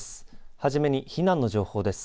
はじめに避難の情報です。